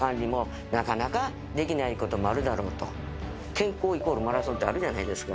「健康＝マラソン」ってあるじゃないですか。